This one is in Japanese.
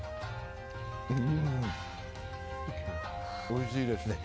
おいしいですね。